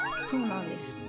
そうなんです。